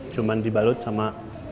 cuman dibalut sama